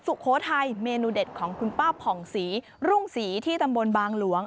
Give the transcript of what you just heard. สุโขทัยเมนูเด็ดของคุณป้าผ่องศรีรุ่งศรีที่ตำบลบางหลวง